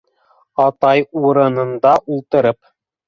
Атай урынында ултырып...